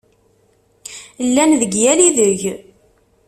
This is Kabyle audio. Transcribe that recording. Llan deg yal ideg!